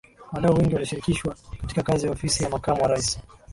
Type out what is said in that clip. Wadau wengi walishirikishwa katika kazi ya Ofisi ya Makamu wa Rais